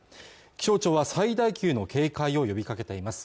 気象庁は最大級の警戒を呼びかけています